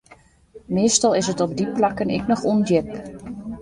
Meastal is it op dy plakken ek noch ûndjip.